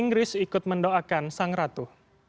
inggris ikut mendoakan sang ratu